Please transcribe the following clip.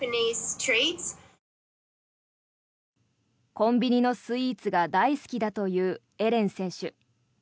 コンビニのスイーツが大好きだというエレン選手。